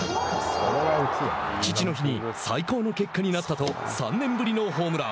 父の日に「最高の結果になった」と３年ぶりのホームラン。